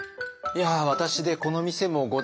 いや私でこの店も五代目。